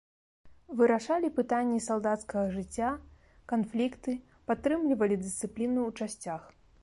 Вырашалі пытанні салдацкага жыцця, канфлікты, падтрымлівалі дысцыпліну ў часцях.